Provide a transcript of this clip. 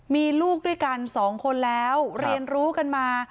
มีลูกด้วยกันสองคนแล้วเรียนรู้กันมา